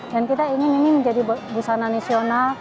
dan kita ingin ingin menjadi busana nasional